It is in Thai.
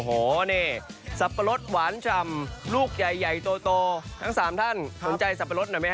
โอ้เนทซัปรสหวานชำรูกใหญ่โตทั้งสามท่านสนใจซัปรสหน่อยไหมครับ